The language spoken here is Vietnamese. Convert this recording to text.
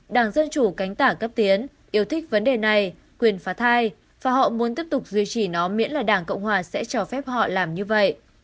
đảng dân chủ cánh tả cấp tiến yêu thích vấn đề này quyền phá thai và họ muốn tiếp tục duy trì nó miễn là đảng cộng hòa sẽ cho phép họ làm như vậy